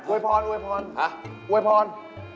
วยพรอวยพรอวยพร